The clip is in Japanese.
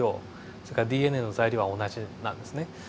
それからＤＮＡの材料は同じなんですね。